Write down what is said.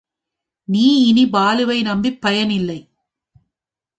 நீ இனி பாலுவை நம்பிப் பயனில்லை.